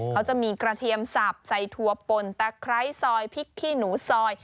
เขาจะมีกระเทียมสับใส่ถั่วป่นตะไคร้ซอยพริกขี้หนูซอย